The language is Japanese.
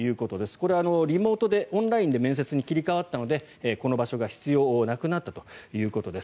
これはリモートで、オンラインで面接に切り替わったのでこの場所が必要なくなったということです。